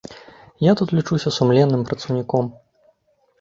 Я тут лічуся сумленным працаўніком.